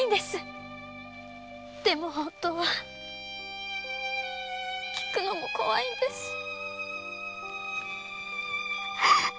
けど本当は訊くのも怖いんです。